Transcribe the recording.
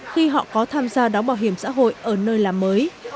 khi họ có tham gia đóng bảo hiểm xã hội ở nơi làm mới